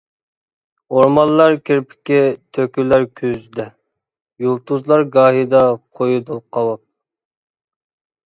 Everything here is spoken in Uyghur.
ئورمانلار كىرپىكى تۆكۈلەر كۈزدە، يۇلتۇزلار گاھىدا قويىدۇ قاۋاپ.